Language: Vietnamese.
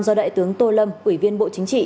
do đại tướng tô lâm ủy viên bộ chính trị